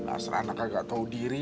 asal anak gak tau diri